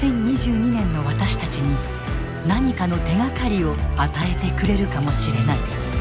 ２０２２年の私たちに何かの手がかりを与えてくれるかもしれない。